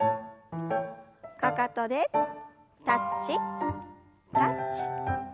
かかとでタッチタッチ。